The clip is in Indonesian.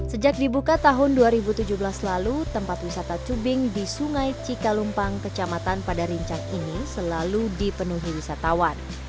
sejak dibuka tahun dua ribu tujuh belas lalu tempat wisata cubing di sungai cikalumpang kecamatan pada rincang ini selalu dipenuhi wisatawan